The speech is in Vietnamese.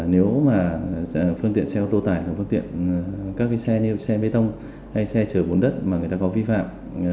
nhưng mà phương tiện xe ô tô tải phương tiện các cái xe như xe bê tông hay xe chở bốn đất mà người ta có vi phạm